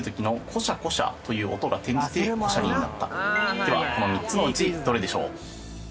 ではこの３つのうちどれでしょう？